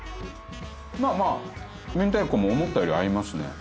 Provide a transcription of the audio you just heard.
まあまあ明太子も思ったより合いますね。